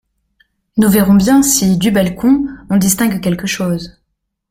Nous verrons bien si, du balcon, on distingue quelque chose.